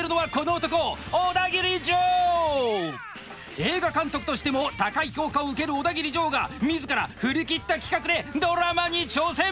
映画監督としても高い評価を受けるオダギリジョーが自ら振り切った企画でドラマに挑戦！